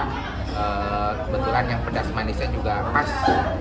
kebetulan yang pedas manisnya juga pas